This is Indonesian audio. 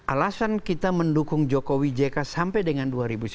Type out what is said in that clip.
alasan kita mendukung jokowi jk sampai dengan dua ribu sembilan belas